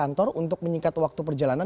dan kantor untuk menyingkat waktu perjalanan